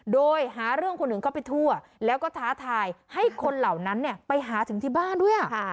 โดยหาเรื่องคนอื่นเข้าไปทั่วแล้วก็ท้าทายให้คนเหล่านั้นไปหาถึงที่บ้านด้วย